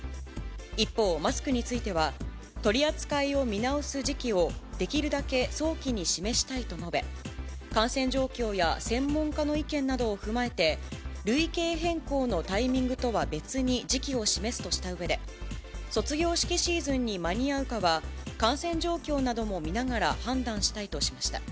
一方、マスクについては、取り扱いを見直す時期を、できるだけ早期に示したいと述べ、感染状況や専門家の意見などを踏まえて、類型変更のタイミングとは別に時期を示すとしたうえで、卒業式シーズンに間に合うかは、感染状況なども見ながら判断したいとしました。